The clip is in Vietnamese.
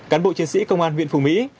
cán bộ chiến sĩ công an huyện phùng mỹ